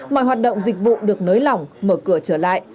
mọi hoạt động dịch vụ được nới lỏng mở cửa trở lại